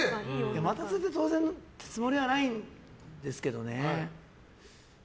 待たせて当然ってつもりはないんですけどね。